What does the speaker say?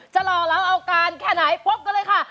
หล่อแล้วเอาการแค่ไหนพบกันเลยค่ะ